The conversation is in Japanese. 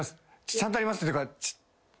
ちゃんとやりますっていうか。